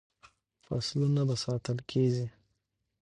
فصلونه به ساتل کیږي.